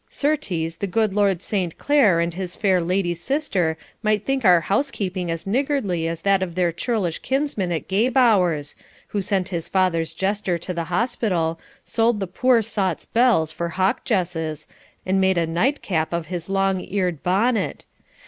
Certes, the good Lord Saint Clere and his fair lady sister might think our housekeeping as niggardly as that of their churlish kinsman at Gay Bowers, who sent his father's jester to the hospital, sold the poor sot's bells for hawk jesses, and made a nightcap of his long eared bonnet.